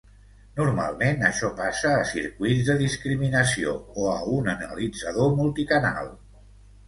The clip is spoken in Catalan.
Normalment això passa a circuits de discriminació o a un analitzador multicanal.